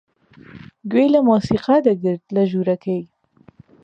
گوێی لە مۆسیقا دەگرت لە ژوورەکەی.